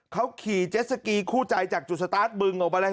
เขาขี่เจ็ดสกีคู่ใจจากจุดสตาร์ทบึงออกไปเลย